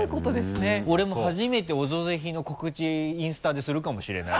俺も初めて「オドぜひ」の告知インスタでするかもしれない。